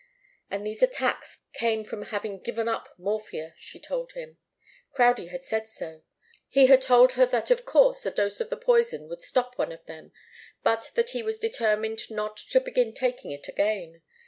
And these attacks came from having given up morphia, she told him. Crowdie had said so. He had told her that, of course, a dose of the poison would stop one of them, but that he was determined not to begin taking it again.